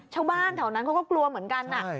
ชาวบ้านแถวนั้นเขาก็กลัวเหมือนกัน